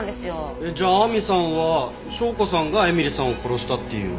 じゃあ亜美さんは紹子さんが絵美里さんを殺したって言うの？